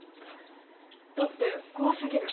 だって怖すぎる。